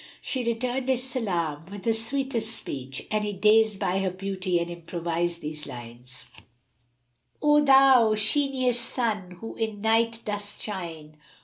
She returned his salam with the sweetest speech, and he was dazed by her beauty and improvised these lines, "O thou sheeniest Sun who in night dost shine!